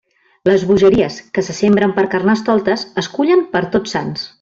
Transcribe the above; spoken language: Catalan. Les bogeries que se sembren per Carnestoltes es cullen per Tots Sants.